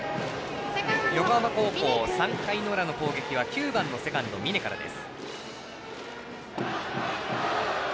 横浜高校３回の裏の攻撃は９番のセカンド、峯からです。